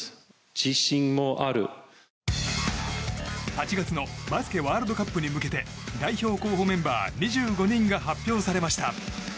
８月のバスケワールドカップに向けて代表候補メンバー２５人が発表されました。